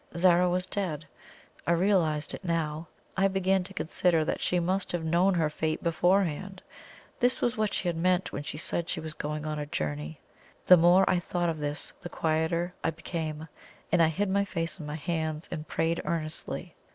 Zara was dead. I realized it now. I began to consider that she must have known her fate beforehand. This was what she had meant when she said she was going on a journey. The more I thought of this the quieter I became, and I hid my face in my hands and prayed earnestly.